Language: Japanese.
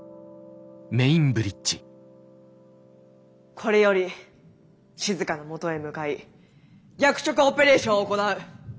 これよりしずかのもとへ向かい逆チョコオペレーションを行う！